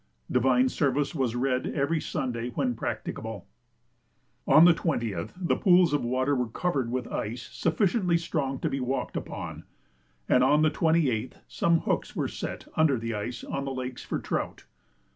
Divine service was read every Sunday when practicable. On the 20th the pools of water were covered with ice sufficiently strong to be walked upon, and on the 28th some hooks were set under the ice on the lakes for trout.